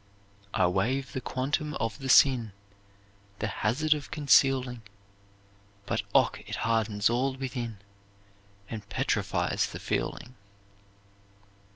"I waive the quantum of the sin, The hazard of concealing; But och, it hardens all within, And petrifies the feeling."